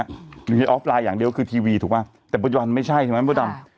มีออฟไลน์อย่างเดียวก็คือทีวีถูกป่ะแต่ปัจจุบันไม่ใช่ใช่ไหมมดดำ